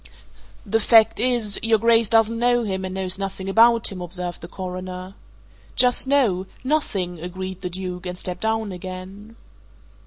"The fact is, your Grace doesn't know him and knows nothing about him," observed the Coroner. "Just so nothing!" agreed the Duke and stepped down again.